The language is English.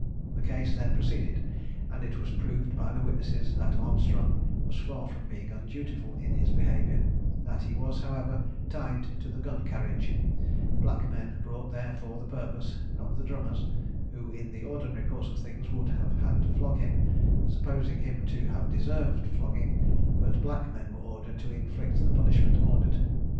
The case then proceeded, and it was proved by the witnesses, that Armstrong was far from being undutiful in his behaviour; that he was, however, tied to the gun carriage; black men, brought there for the purpose not the drummers, who in the ordinary course of things would have had to flog him, supposing him to have deserved flogging; but black men were ordered to inflict the punishment ordered.